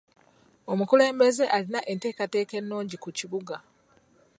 Omukulembeze alina enteekateeka ennungi ku kibuga.